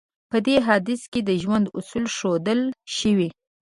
په دې حديث کې د ژوند اصول ښودل شوی.